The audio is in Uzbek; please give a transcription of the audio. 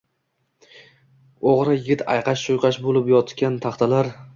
O‘g‘ri yigit ayqash-uyqash bo‘lib yotgan taxtalar